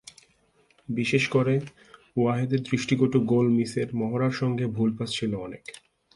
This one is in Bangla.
বিশেষ করে ওয়াহেদের দৃষ্টিকটু গোল মিসের মহড়ার সঙ্গে ভুল পাস ছিল অনেক।